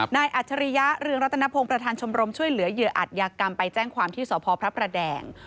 อัจฉริยะเรืองรัตนพงศ์ประธานชมรมช่วยเหลือเหยื่ออัตยากรรมไปแจ้งความที่สพพระประแดง